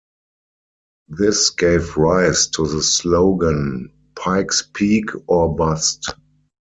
This gave rise to the slogan, Pike's Peak or Bust.